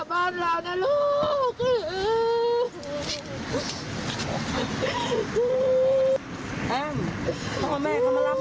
หนูไม่ต้องกลัวใครแล้วนะลูก